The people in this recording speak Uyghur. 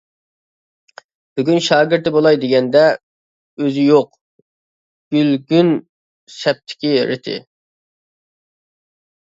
بۈگۈن شاگىرتى بولاي دېگەندە، ئۆزى يوق، گۈلگۈن سەپتىكى رېتى.